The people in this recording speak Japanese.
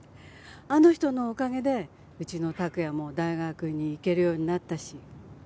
あの人のおかげでうちの託也も大学に行けるようになったし。